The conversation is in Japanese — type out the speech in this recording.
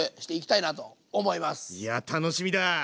いや楽しみだ。